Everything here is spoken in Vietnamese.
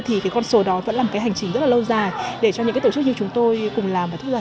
thì con số đó vẫn là một hành trình rất lâu dài để cho những tổ chức như chúng tôi cùng làm và thúc giải